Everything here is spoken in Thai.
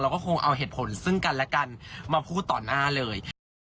ก็คงเอาเหตุผลซึ่งกันและกันมาพูดต่อหน้าเลยนะคะ